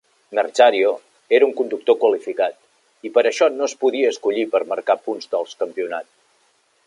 Merzario era un conductor qualificat i per això no es podia escollir per marcar punts dels campionat.